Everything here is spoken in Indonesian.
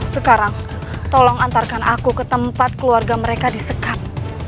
sekarang tolong antarkan aku ke tempat keluarga mereka disekap